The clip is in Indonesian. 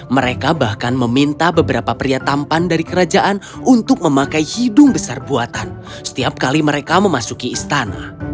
mereka bahkan meminta beberapa pria tampan dari kerajaan untuk memakai hidung besar buatan setiap kali mereka memasuki istana